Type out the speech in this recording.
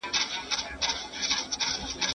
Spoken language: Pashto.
خواړه په پټ لوښي کې وساتئ.